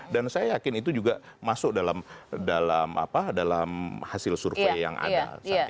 dan saya yakin itu juga masuk dalam hasil survei yang ada saat ini